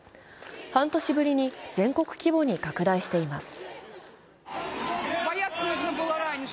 半年ぶりに全国規模に拡大しています。